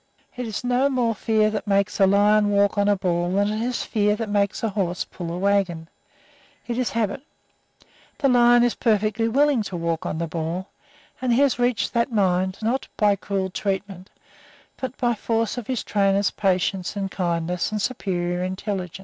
It is no more fear that makes a lion walk on a ball than it is fear that makes a horse pull a wagon. It is habit. The lion is perfectly willing to walk on the ball, and he has reached that mind, not by cruel treatment, but by force of his trainer's patience and kindness and superior intelligence.